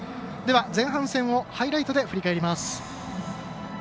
前半戦をハイライトで振り返ります。